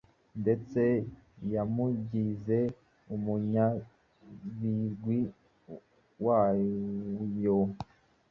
ndetse yamugize umunyabigwi wayo